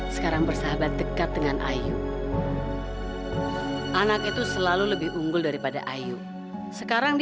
sebelum ibu pergi